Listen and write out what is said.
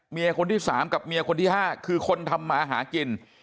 เมียคนที่๓กับเมียคนที่๕คือคนทำมาหากิน